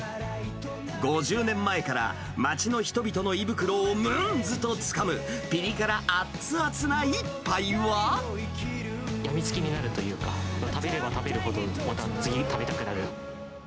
５０年前から、街の人々の胃袋をむんずとつかむ、病みつきになるというか、食べれば食べるほど、また次食べたくなる。